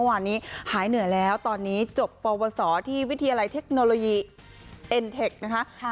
หายเหนื่อยแล้วตอนนี้จบปวสอที่วิทยาลัยเทคโนโลยีเอ็นเทคนะคะ